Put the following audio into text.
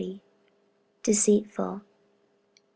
7. Deceitful, Jer.